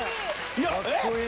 かっこいい。